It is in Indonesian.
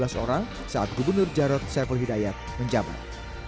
hanya tiga belas orang saat gubernur jarod serpol hidayat menjabat